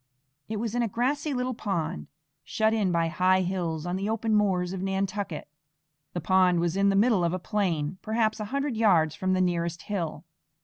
It was in a grassy little pond, shut in by high hills, on the open moors of Nantucket. The pond was in the middle of a plain, perhaps a hundred yards from the nearest hill.